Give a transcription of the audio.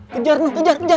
kejar nung kejar kejar